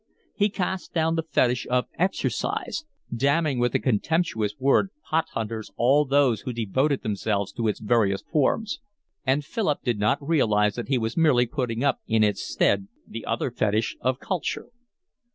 He cast down the fetish of exercise, damning with the contemptuous word pot hunters all those who devoted themselves to its various forms; and Philip did not realise that he was merely putting up in its stead the other fetish of culture.